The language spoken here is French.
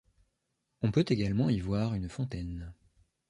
On peut également y voir une fontaine.